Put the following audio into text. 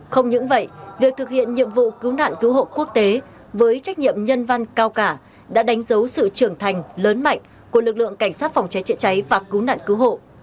không những vậy việc thực hiện nhiệm vụ cứu nạn cứu hộ quốc tế với trách nhiệm nhân văn cao cả đã đánh dấu sự trưởng thành lớn mạnh của lực lượng cảnh sát phòng cháy chữa cháy và cứu nạn cứu hộ